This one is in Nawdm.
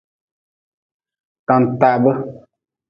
Tantaabe.